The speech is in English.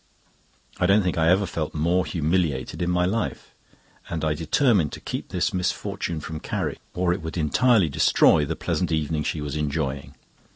I don't think I ever felt more humiliated in my life, and I determined to keep this misfortune from Carrie, for it would entirely destroy the pleasant evening she was enjoying.